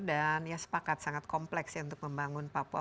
dan sepakat sangat kompleks untuk membangun papua